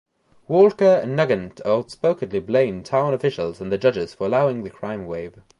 Walker and Nugent outspokenly blamed town officials and judges for allowing the crime wave.